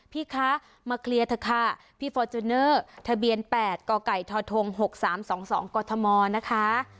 พี่คะมาเคลียร์เถอะค่ะพี่ฟอร์จูเนอร์ทะเบียนแปดกไก่ทธงหกสามสองสองกมนะคะ